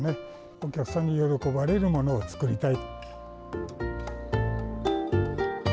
お客さんに喜ばれるものを作りたい。